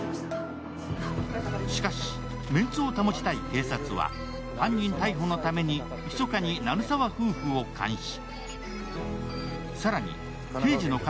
しかし、メンツを保ちたい警察は犯人逮捕のためにひそかに鳴沢夫婦を監視。